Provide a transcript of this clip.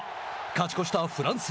勝ち越したフランス。